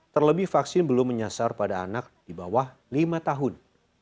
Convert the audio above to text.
terlebih vaksin belum menyasar pada anak di bawah lima tahun